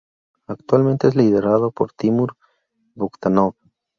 Actualmente es liderado por Timur Bogdanov.